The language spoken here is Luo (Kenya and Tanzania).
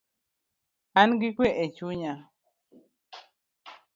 An gi kue echunya